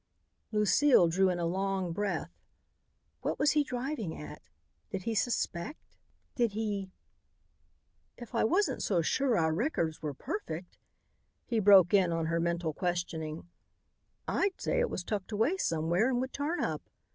Lucile drew in a long breath. What was he driving at? Did he suspect? Did he "If I wasn't so sure our records were perfect," he broke in on her mental questioning, "I'd say it was tucked away somewhere and would turn up.